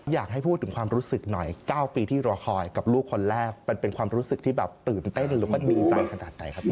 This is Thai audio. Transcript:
อยากให้พูดถึงความรู้สึกหน่อย๙ปีที่รอคอยกับลูกคนแรกมันเป็นความรู้สึกที่แบบตื่นเต้นแล้วก็ดีใจขนาดไหนครับ